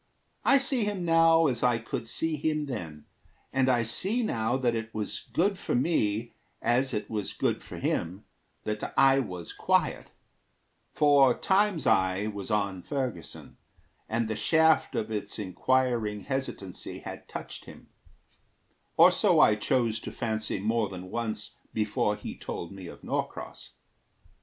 I see him now as I could see him then, And I see now that it was good for me, As it was good for him, that I was quiet; For Time's eye was on Ferguson, and the shaft Of its inquiring hesitancy had touched him, Or so I chose to fancy more than once Before he told of Norcross.